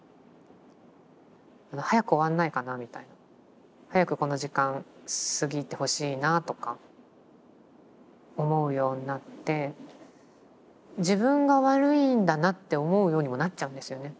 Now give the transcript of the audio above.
早く終わんないかなみたいな早くこの時間過ぎてほしいなぁとか思うようになって自分が悪いんだなって思うようにもなっちゃうんですよね。